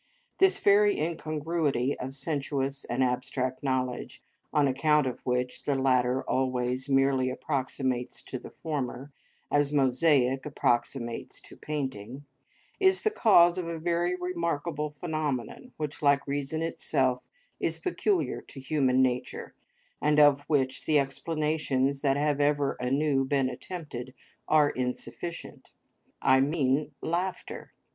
This very incongruity of sensuous and abstract knowledge, on account of which the latter always merely approximates to the former, as mosaic approximates to painting, is the cause of a very remarkable phenomenon which, like reason itself, is peculiar to human nature, and of which the explanations that have ever anew been attempted, are insufficient: I mean laughter.